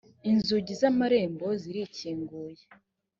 inzugi z’ amarembo zirikinguye.